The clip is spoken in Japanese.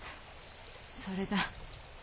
それだ。